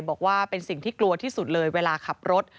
บอกว่าเป็นสิ่งที่กลัวที่สุดเลยเวลาขับรถ